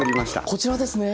こちらですね。